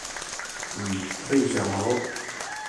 嗯，非常好